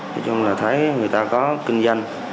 nói chung là thấy người ta có kinh doanh